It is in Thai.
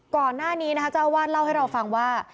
ก่อนหน้านี้นะคะเจ้าอาวาสเล่าให้เราฟังว่า